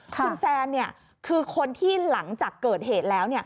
คุณแซนคือคนที่หลังจากเกิดเหตุแล้ว